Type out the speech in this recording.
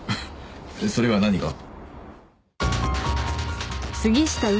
それが何か？